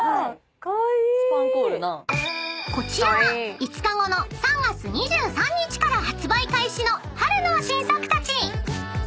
［こちらが５日後の３月２３日から発売開始の春の新作たち］